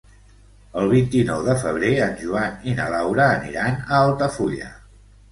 El vint-i-nou de febrer en Joan i na Laura aniran a Altafulla.